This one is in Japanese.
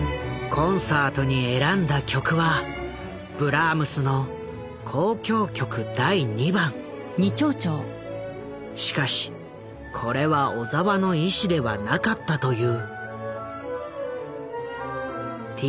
コンサートに選んだ曲はしかしこれは小澤の意思ではなかったという。